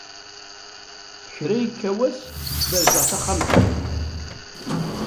Kra yekka wass berzeɣ taxxamt iw.